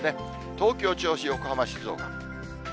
東京、銚子、横浜、静岡。